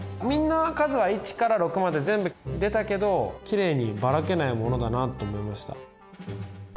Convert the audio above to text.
みんな数は１から６まで全部出たけどきれいにばらけないものだなと思いました。